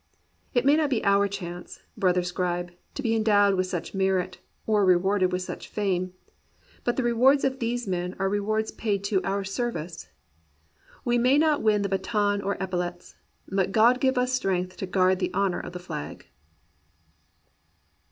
It may not be our chance, brother scribe, to be endowed with such merit, or rewarded with such fame. But the rewards of these men are rewards paid to our service. 128 THACKERAY AND REAL MEN We may not win the baton or epaulettes; but God give us strength to guard the honour of the flag